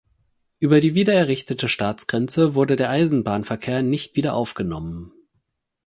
Über die wiedererrichtete Staatsgrenze wurde der Eisenbahnverkehr nicht wieder aufgenommen.